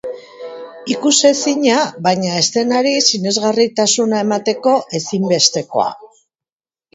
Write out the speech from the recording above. Ikusezina, baina eszenari sinesgarritasuna emateko ezinbestekoa.